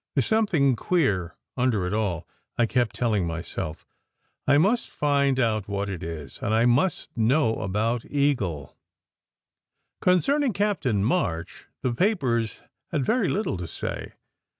"There s some thing queer under it all," I kept telling myself. "I must find out what it is, and I must know about Eagle." Concerning Captain March, the papers had very little to say.